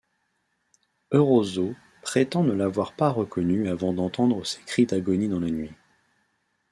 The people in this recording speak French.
Erauso prétend ne l'avoir pas reconnu avant d'entendre ses cris d'agonie dans la nuit.